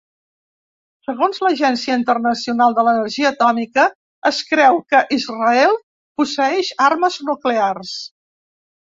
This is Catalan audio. Segons l'Agència Internacional de l'Energia Atòmica es creu que Israel posseeix armes nuclears.